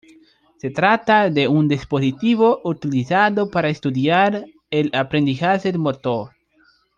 Se trata de un dispositivo utilizado para estudiar el aprendizaje motor.